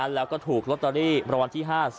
แล้วก็ถูกลอตเตอรี่ประวัติที่๕